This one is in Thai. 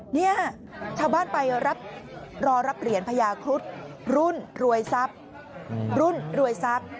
เนี่ยชาวบ้านไปรอรับเหรียญพญาครุฑรุ่นรวยทรัพย์